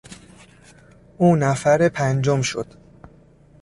او نفر پنجم شد.